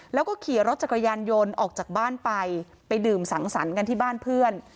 แล้วก็ขี่รถจักรยานยนต์ออกจากบ้านไปไปดื่มสังสรรค์กันที่บ้านเพื่อน